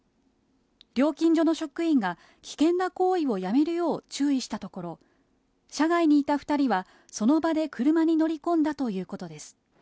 料金所の職員が、危険な行為をやめるよう注意したところ、車外にいた２人はその場で車に乗り込んだということです。